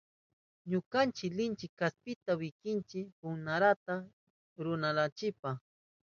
Ñukanchi lichi kaspita wikinchi punkarata rurananchipa.